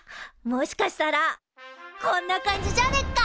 もしかしたらこんな感じじゃねっか？